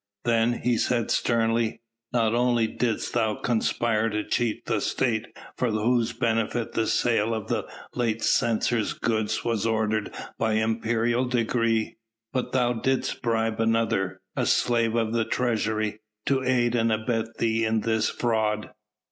"Then," he said sternly, "not only didst thou conspire to cheat the State for whose benefit the sale of the late censor's goods was ordered by imperial decree, but thou didst bribe another a slave of the treasury to aid and abet thee in this fraud."